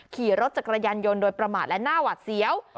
ขี่รถจักรยานยนต์โดยประมาทและหน้าหวัดเสียว